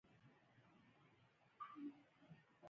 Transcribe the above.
پیرودونکی باید ځان مهم احساس کړي.